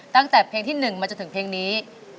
ตั้งแต่เพลงที่๑มาจนถึงเพลงนี้